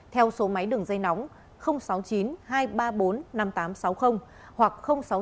theo số máy đường dây nóng sáu mươi chín hai trăm ba mươi bốn năm nghìn tám trăm sáu mươi hoặc sáu mươi chín hai trăm ba mươi hai